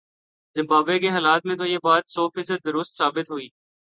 Zimbabwe کے حالات میں تو یہ بات سوفیصد درست ثابت ہوئی۔